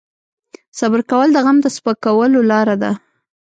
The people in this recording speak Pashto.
صبر کول د غم د سپکولو لاره ده.